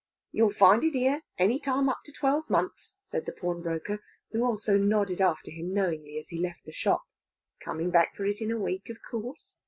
"You'll find it here, any time up to twelve months," said the pawnbroker, who also nodded after him knowingly as he left the shop. "Coming back for it in a week, of course!